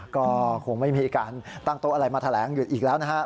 ก็คงไม่มีการตั้งโต๊ะอะไรมาแถลงหยุดอีกแล้วนะฮะ